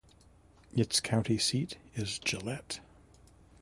Its county seat is Gillette.